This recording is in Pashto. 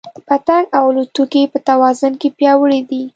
پتنګ او الوتونکي په توازن کې پیاوړي دي.